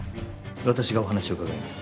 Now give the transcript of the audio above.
私がお話を伺います